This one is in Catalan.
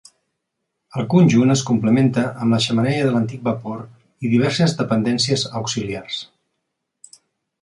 El conjunt es completa amb la xemeneia de l'antic vapor i diverses dependències auxiliars.